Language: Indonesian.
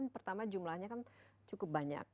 pertama jumlahnya kan cukup banyak